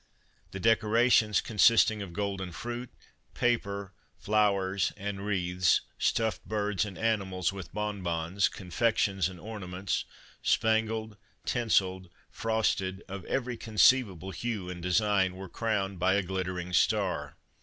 The decorations, consist ing of golden fruit, paper flowers and wreathes, stuffed birds and animals, with bon bons, confec tions and ornaments, spangled, tinseled, frosted, of every conceivable hue and design, were crowned by a glittering star.